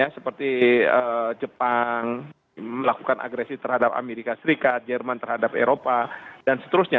seperti jepang melakukan agresi terhadap amerika serikat jerman terhadap eropa dan seterusnya